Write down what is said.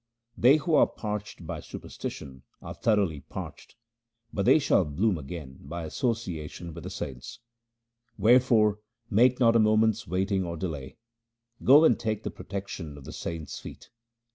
They who are parched by superstition are thoroughly parched, but they shall bloom again by association with the saints : Wherefore make not a moment's waiting or delay : go and take the protection of the saints' feet.